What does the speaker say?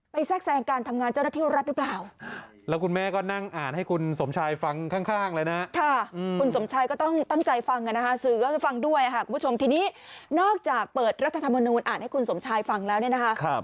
ไม่แทรกแทรกการทำงานเจ้าหน้าที่รัฐหรือเปล่า